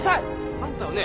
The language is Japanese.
あんたはね